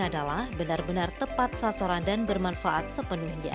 adalah benar benar tepat sasaran dan bermanfaat sepenuhnya